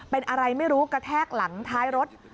เป็นอะไรไม่รู้กระแทกหลังท้ายรถ